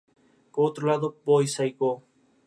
Fue transmitido durante mucho tiempo de manera oral.